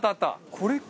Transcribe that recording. これか。